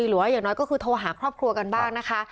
หรือว่าอย่างน้อยก็คือโทรหาครอบครัวกันบ้างนะคะ